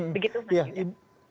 begitu mbak dita